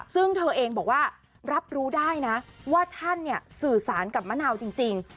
ซึ่งเธอเองบอกว่ารับรู้ได้นะว่าท่านสื่อสารกับมะนาวจริง